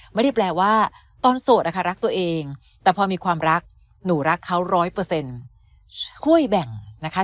ไม่ได้แปลว่าตอนโสดนะคะรักตัวเองแต่พอมีความรักหนูรักเขา๑๐๐ช่วยแบ่งนะคะ